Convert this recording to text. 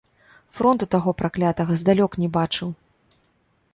Фронту таго праклятага здалёк не бачыў.